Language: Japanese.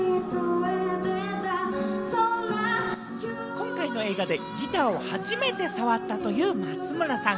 今回の映画でギターを初めて触ったという松村さん。